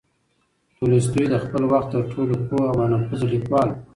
تولستوی د خپل وخت تر ټولو پوه او با نفوذه لیکوال و.